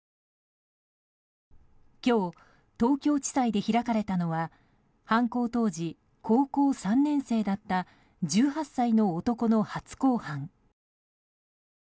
今日、東京地裁で開かれたのは犯行当時高校３年生だった１８歳の男の初公判。